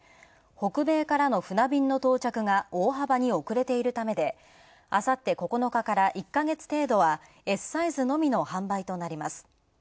北米からの船便の到着が大幅に遅れているためで、あさって９日から１か月程度はＳサイズのみの販売となります。